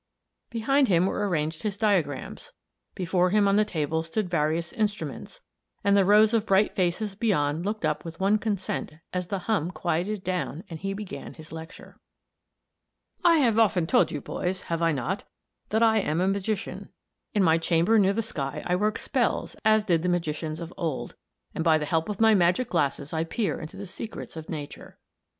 Behind him were arranged his diagrams, before him on the table stood various instruments, and the rows of bright faces beyond looked up with one consent as the hum quieted down and he began his lecture. "I have often told you, boys, have I not? that I am a Magician. In my chamber near the sky I work spells as did the magicians of old, and by the help of my magic glasses I peer into the secrets of nature.